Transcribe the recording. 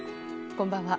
こんばんは。